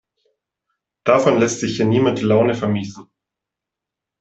Davon lässt sich hier niemand die Laune vermiesen.